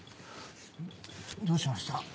どうしました？